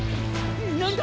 何だ！？